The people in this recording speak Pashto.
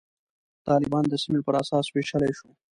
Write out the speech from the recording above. طالبان د سیمې پر اساس ویشلای شو.